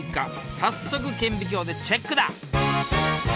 早速顕微鏡でチェックだ！